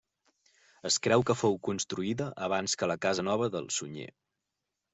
Es creu que fou construïda abans que la casa nova del Sunyer.